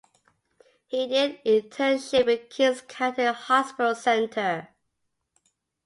He did an internship in Kings County Hospital Center.